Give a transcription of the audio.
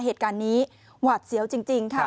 เหตุการณ์นี้หวาดเสียวจริงค่ะ